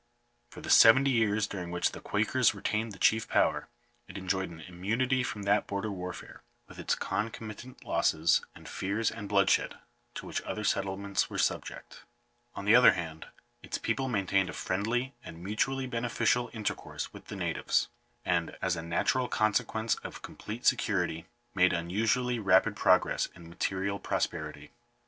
For the seventy years during which the Quakers retained the chief power, it enjoyed an immunity from that border warfare, with its concomitant losses, and fears, and B B Digitized by VjOOQIC 870 GOVERNMENT COLONIZATION. bloodshed, to which other settlements were subject. On the other hand, its people maintained a friendly and mutually be neficial intercourse with the natives ; and, as a natural conse quence of complete security, made unusually rapid progress in material prosperity.